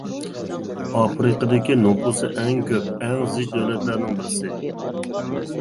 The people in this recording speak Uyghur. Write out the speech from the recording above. ئافرىقىدىكى نوپۇسى ئەڭ كۆپ، ئەڭ زىچ دۆلەتلەرنىڭ بىرسى.